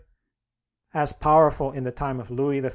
as powerful as in the time of Louis XIV.